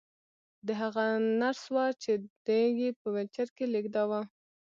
دا هغه نرس وه چې دی یې په ويلچر کې لېږداوه